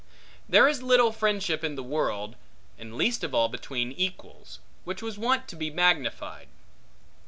There is little friendship in the world, and least of all between equals, which was wont to be magnified.